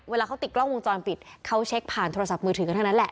เวลาเขาติดกล้องวงจรปิดเขาเช็คผ่านโทรศัพท์มือถือกันทั้งนั้นแหละ